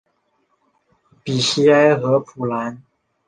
比西埃和普兰。